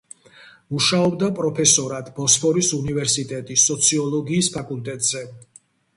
მუშაობდა პროფესორად ბოსფორის უნივერსიტეტის სოციოლოგიის ფაკულტეტზე.